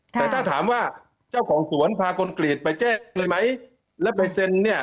แต่ถ้าถามว่าเจ้าของสวนพาคนกรีตไปแจ้งเลยไหมแล้วไปเซ็นเนี่ย